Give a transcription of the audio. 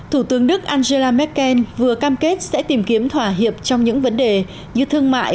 thủ tướng đức angela merkel vừa cam kết sẽ tìm kiếm thỏa hiệp trong những vấn đề như thương mại